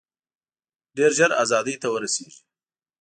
ډېر ژر آزادۍ ته ورسیږي.